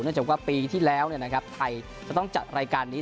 เนื่องจากว่าปีที่แล้วนะครับไทยจะต้องจัดรายการนี้